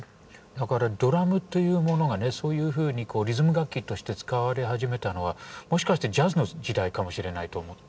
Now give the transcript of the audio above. だからドラムというものがねそういうふうにリズム楽器として使われ始めたのはもしかしてジャズの時代かもしれないと思って。